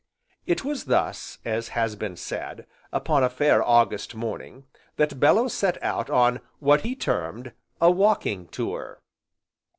It was thus, as has been said, upon a fair August morning, that Bellew set out on what he termed "a walking tour."